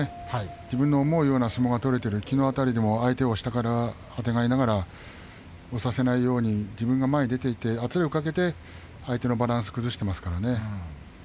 自分の思うような相撲が取れていればきのうあたりも相手を下からあてがいながら押させないように自分が前に出て圧力をかけて相手のバランスを崩していますからね。